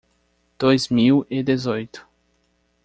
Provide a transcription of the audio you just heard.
Dois mil e dezoito.